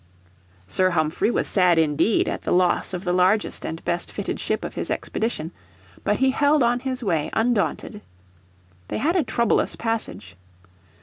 Sir Humphrey was sad indeed at the loss of the largest and best fitted ship of his expedition, but he held on his way undaunted. They had a troublous passage.